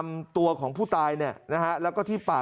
ก็รู้สภาพขึ้นก็ถ่ายลูกเลยถ่ายลูกแล้วก็โทรหา